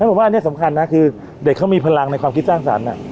ผมว่าอันนี้สำคัญนะคือเด็กเขามีพลังในความคิดสร้างสรรค์